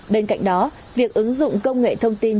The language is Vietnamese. bên cạnh đó việc ứng dụng công nghệ thông tin